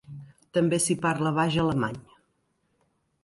També s'hi parla baix alemany.